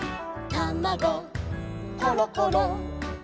「たまごころころ」